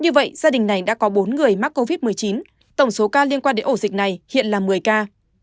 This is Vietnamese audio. như vậy gia đình này đã có bốn người mắc covid một mươi chín tổng số ca liên quan đến ổ dịch này hiện là một mươi ca